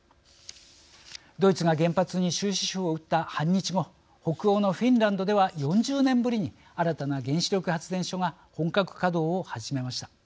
ドイツが原発に終止符を打った半日後北欧のフィンランドでは４０年ぶりに新たな原子力発電所が本格稼働を始めました。